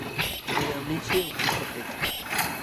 Wiqawnishi utishqa kaykan,